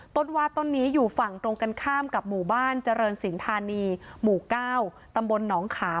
ว่าต้นนี้อยู่ฝั่งตรงกันข้ามกับหมู่บ้านเจริญสินธานีหมู่๙ตำบลหนองขาม